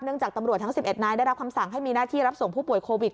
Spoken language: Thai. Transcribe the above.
จากตำรวจทั้ง๑๑นายได้รับคำสั่งให้มีหน้าที่รับส่งผู้ป่วยโควิด